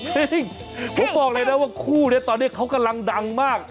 จริงผมบอกเลยนะว่าคู่นี้ตอนนี้เขากำลังดังมาก